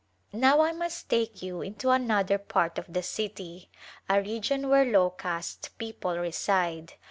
Now I must take you into another part of the city, a region where low caste people reside.